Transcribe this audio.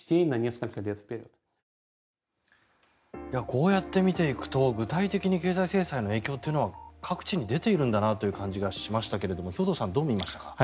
こうやって見ていくと具体的に経済制裁の影響というのは各地に出ているんだなという感じがしましたが兵頭さん、どう見ましたか？